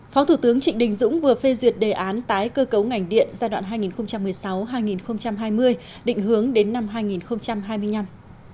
phó thủ tướng trịnh đình dũng vừa phê duyệt đề án tái cơ cấu ngành điện giai đoạn hai nghìn một mươi sáu hai nghìn hai mươi định hướng đến năm hai nghìn hai mươi năm